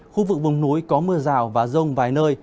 khu vực vùng núi có mưa rào và rông vài nơi